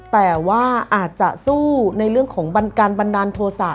แต่ว่าอาจจะสู้ในเรื่องของการบันดาลโทษะ